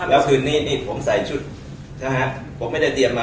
และคืนนี้ผมใส่ชุด